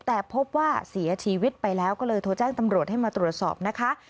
แต่พบว่าเสียชีวิตไปแล้วก็เลยโทรแจ้งตำรวจให้มาตรวจสอบนะคะ